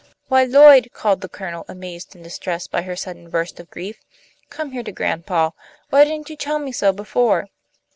"Why, Lloyd," called the Colonel, amazed and distressed by her sudden burst of grief. "Come here to grandpa. Why didn't you tell me so before?"